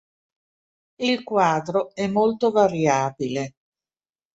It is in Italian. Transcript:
Il quadro è molto variabile.